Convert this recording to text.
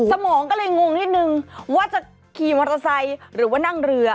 สมองก็เลยงงนิดนึงว่าจะขี่มอเตอร์ไซค์หรือว่านั่งเรือ